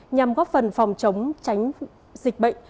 nhằm góp phần phòng chống tránh dịch bệnh